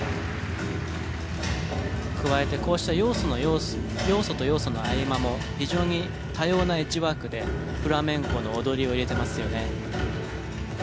加えてこうした要素の要素と要素の合い間も非常に多様なエッジワークでフラメンコの踊りを入れてますよね。